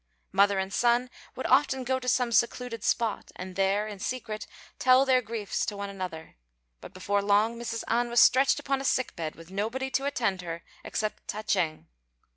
Mother and son would often go to some secluded spot, and there in secret tell their griefs to one another; but before long Mrs. An was stretched upon a sick bed with nobody to attend to her except Ta ch'êng.